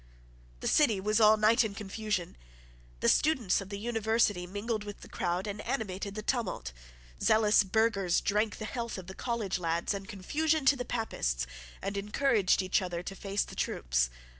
The city was all night in confusion. The students of the University mingled with the crowd and animated the tumult. Zealous burghers drank the health of the college lads and confusion to Papists, and encouraged each other to face the troops.